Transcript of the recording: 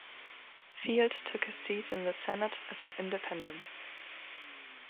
Field took his seat in the Senate as an independent.